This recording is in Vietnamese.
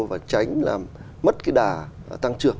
và tránh làm mất cái đà tăng trưởng